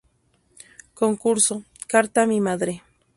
Concurso "Carta a mi madre".